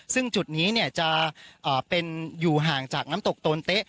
ซึ่งจุดนี้จะเป็นอยู่ห่างจากน้ำตกโตนเต๊ะ